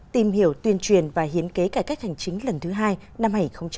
tìm hiểu tuyên truyền và hiến kế cải cách hành chính lần thứ hai năm hai nghìn hai mươi